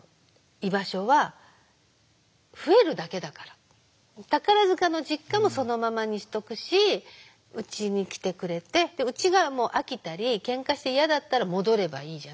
あとは「宝塚の実家もそのままにしとくしうちに来てくれてうちが飽きたりけんかして嫌だったら戻ればいいじゃない」って。